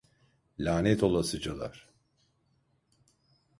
Lanet olasıcalar!